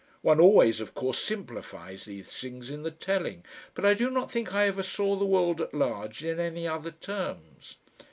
One always of course simplifies these things in the telling, but I do not think I ever saw the world at large in any other terms.